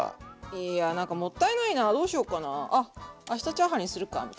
いや何かもったいないなどうしようかなあっ明日チャーハンにするかみたいな。